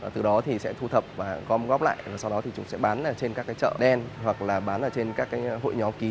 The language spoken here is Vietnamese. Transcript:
từ đó thì sẽ thu thập và góp lại và sau đó thì chúng sẽ bán trên các chợ đen hoặc là bán trên các hội nhóm